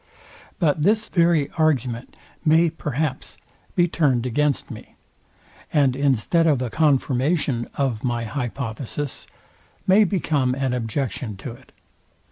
But this very argument may, perhaps, be turned against me, and instead of a confirmation of my hypothesis, may become an objection to it.